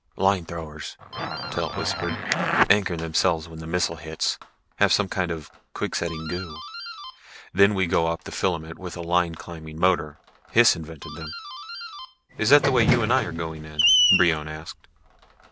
"Line throwers," Telt whispered. "Anchor themselves when the missile hits, have some kind of quick setting goo. Then we go up the filament with a line climbing motor. Hys invented them." "Is that the way you and I are going in?" Brion asked.